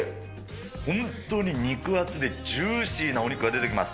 本当に肉厚で、ジューシーなお肉が出てきます。